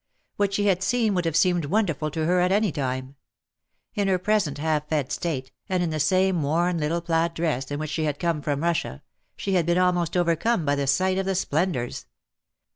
What she had seen would have seemed wonderful to her at any time. In her pres ent half fed state, and in the same worn little plaid dress in which she had come from Russia, she had been almost overcome by the sight of the splendours.